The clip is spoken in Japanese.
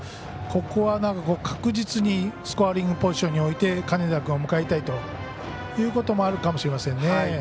ここは確実にスコアリングポジションに置いて金田君を迎えたいということもあるかもしれませんね。